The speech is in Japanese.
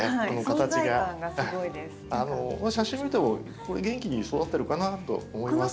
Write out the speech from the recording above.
この写真見ても元気に育ってるかなと思います。